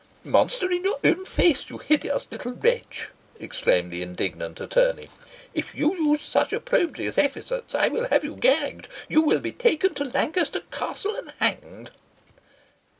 "Monster in your own face, you hideous little wretch," exclaimed the indignant attorney. "If you use such opprobrious epithets I will have you gagged. You will be taken to Lancaster Castle, and hanged."